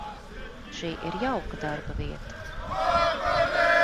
Šī ir jauka darbavieta.